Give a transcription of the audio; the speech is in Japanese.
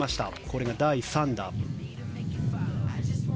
これが第３打。